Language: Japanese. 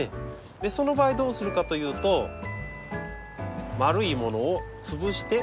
その場合どうするかというと丸いものを潰して。